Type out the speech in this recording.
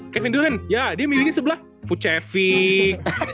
kevin durant dia milihnya sebelah pucevic